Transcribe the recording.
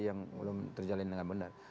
yang belum terjalin dengan benar